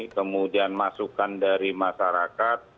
kemudian masukan dari masyarakat